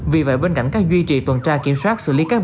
vì vậy bên cạnh các duy trì tuần tra kiểm soát xử lý các vi phạm